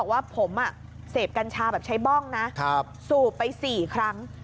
ว่าผมเสพกัญชาแบบใช้บ้องนะสูบไป๔ครั้ง